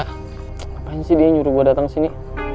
ngapain sih dia nyuruh gue dateng kesini